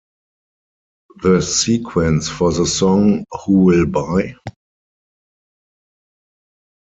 The sequence for the song Who Will Buy?